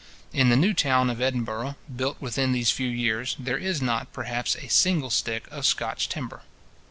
In the new town of Edinburgh, built within these few years, there is not, perhaps, a single stick of Scotch timber.